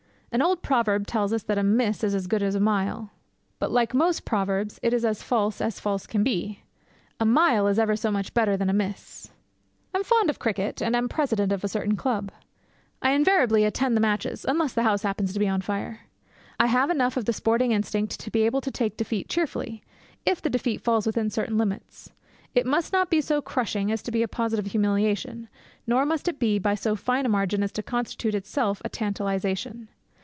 An old proverb tells us that a miss is as good as a mile; but like most proverbs, it is as false as false can be. A mile is ever so much better than a miss. I am fond of cricket, and am president of a certain club. I invariably attend the matches unless the house happens to be on fire. I have enough of the sporting instinct to be able to take defeat cheerfully if the defeat falls within certain limits. It must not be so crushing as to be a positive humiliation, nor must it be by so fine a margin as to constitute itself a tantalization.